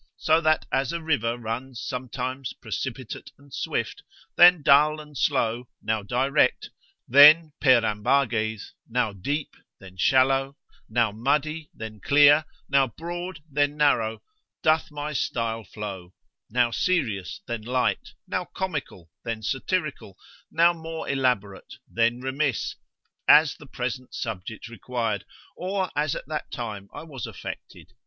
So that as a river runs sometimes precipitate and swift, then dull and slow; now direct, then per ambages, now deep, then shallow; now muddy, then clear; now broad, then narrow; doth my style flow: now serious, then light; now comical, then satirical; now more elaborate, then remiss, as the present subject required, or as at that time I was affected.